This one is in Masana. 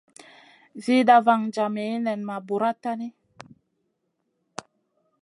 Zida vaŋ jami nen ma bura tahni.